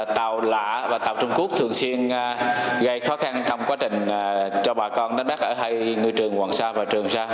tàu lạ và tàu trung quốc thường xuyên gây khó khăn trong quá trình cho bà con đánh bắt ở hai ngư trường hoàng sa và trường sa